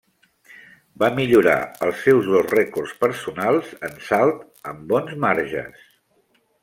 Va millorar els seus dos rècords personals en salt amb bons marges.